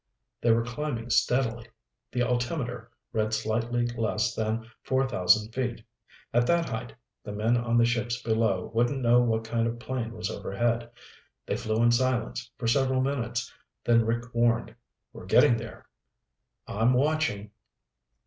They were climbing steadily. The altimeter read slightly less than four thousand feet. At that height, the men on the ships below wouldn't know what kind of plane was overhead. They flew in silence for several minutes, then Rick warned, "We're getting there." "I'm watching."